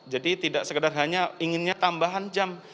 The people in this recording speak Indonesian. jadi tidak sekedar hanya inginnya tambahan jam